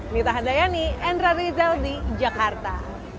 nita hadayani endra rizal di jakarta